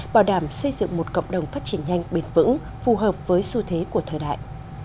bảo đảm xây dựng một cộng đồng phát triển nhanh bền vững phù hợp với xu thế của thời đại